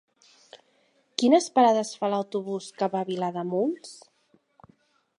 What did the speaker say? Quines parades fa l'autobús que va a Vilademuls?